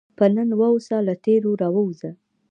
په نن واوسه، له تېر راووځه.